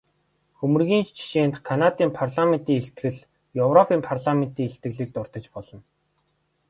Хөмрөгийн жишээнд Канадын парламентын илтгэл, европын парламентын илтгэлийг дурдаж болно.